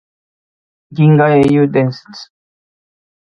銀河英雄伝説